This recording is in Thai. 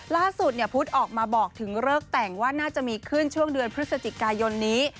ล่าสุดพุทธออกมาบอกถึงเลิกแต่งว่าน่าจะมีขึ้นช่วงเดือนพฤศจิกายนนี้